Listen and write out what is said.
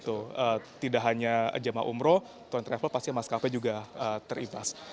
tidak hanya jemaah umroh tone travel pasti maskapai juga terimbas